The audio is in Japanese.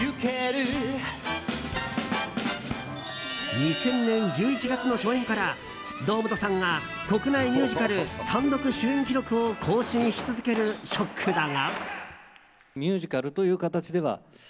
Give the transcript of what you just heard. ２０００年１１月の初演から堂本さんが国内ミュージカル単独主演記録を更新し続ける「ＳＨＯＣＫ」だが。